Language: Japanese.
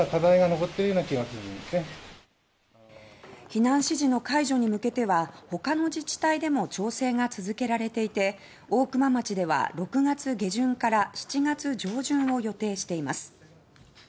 避難指示の解除に向けては他の自治体でも調整が続けられていて大熊町では、６月下旬から７月上旬を予定しています。